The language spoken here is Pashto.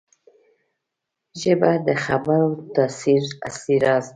ژبه د خبرو د تاثیر اصلي راز دی